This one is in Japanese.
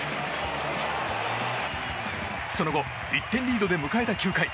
その後１点リードで迎えた９回。